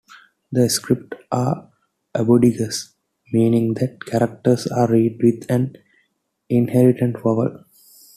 The scripts are abugidas, meaning that characters are read with an inherent vowel.